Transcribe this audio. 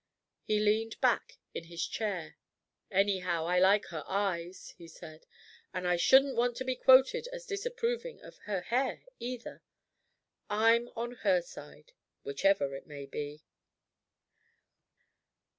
He leaned back in his chair. "Anyhow, I like her eyes," he said. "And I shouldn't want to be quoted as disapproving of her hair, either. I'm on her side, whichever it may be."